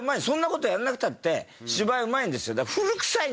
そんな事やらなくたって芝居うまいんですよ。